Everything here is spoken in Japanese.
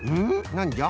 なんじゃ？